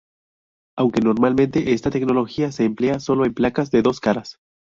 Aunque normalmente esta tecnología se emplea solo en placas de dos caras.